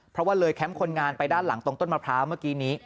เพราะว่าเลยแคมป์คนงานไปด้านหลังตรงต้นมะพร้าวเมื่อกี้นี้